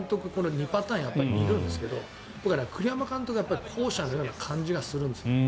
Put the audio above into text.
２パターンいるんですけど栗山監督は後者のような感じがするんです。